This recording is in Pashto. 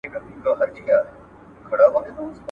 نه یې څه پیوند دی له بورا سره !.